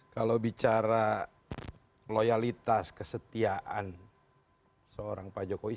kalau bicara loyalitas kesetiaan seorang pak jokowi